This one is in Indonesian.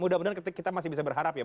mudah mudahan kita masih bisa berharap ya